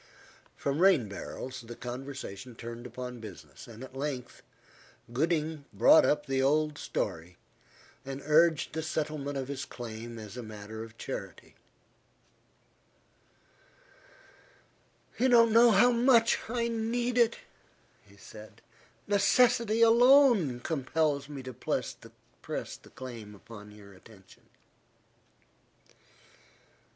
From rain barrels the conversation turned upon business, and at length Gooding brought up the old story, and urged the settlement of his claim as a matter of charity. "You don't know how much I need it," he said. "Necessity alone compels me to press the claim upon your attention."